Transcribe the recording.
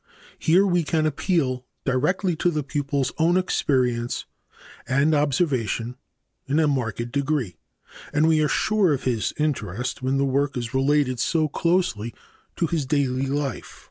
Here we can appeal directly to the pupil's own experience and observation in a marked degree, and we are sure of his interest when the work is related so closely to his daily life.